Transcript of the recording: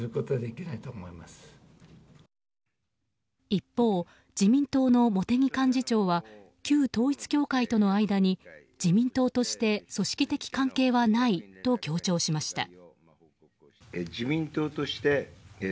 一方、自民党の茂木幹事長は旧統一教会との間に自民党として組織的関係はないと強調しました。